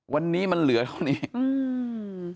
วันนี้มันเหลือเท่านี้อืม